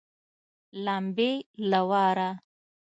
لمبې له واره